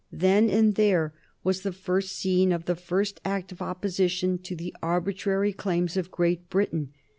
Then and there was the first scene of the first act of opposition to the arbitrary claims of Great Britain.